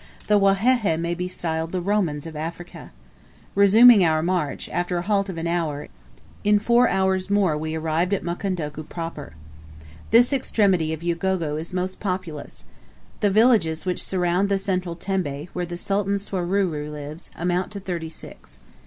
The Wahehe may be styled the Romans of Africa. Resuming our march, after a halt of an hour, in foul hours more we arrived at Mukondoku Proper. This extremity of Ugogo is most populous, The villages which surround the central tembe, where the Sultan Swaruru lives, amount to thirty six.